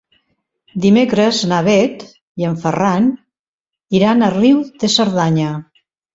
Dimecres na Bet i en Ferran iran a Riu de Cerdanya.